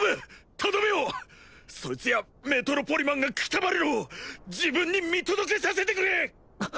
とどめをそいつやメトロポリマンがくたばるのを自分に見届けさせてくれ！